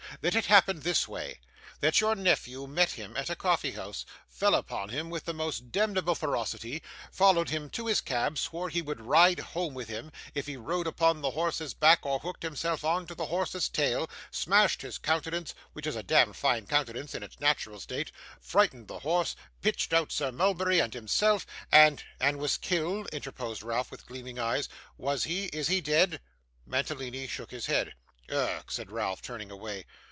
'That it happened this way that your nephew met him at a coffeehouse, fell upon him with the most demneble ferocity, followed him to his cab, swore he would ride home with him, if he rode upon the horse's back or hooked himself on to the horse's tail; smashed his countenance, which is a demd fine countenance in its natural state; frightened the horse, pitched out Sir Mulberry and himself, and ' 'And was killed?' interposed Ralph with gleaming eyes. 'Was he? Is he dead?' Mantalini shook his head. 'Ugh,' said Ralph, turning away.